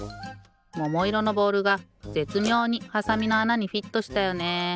ももいろのボールがぜつみょうにはさみのあなにフィットしたよね。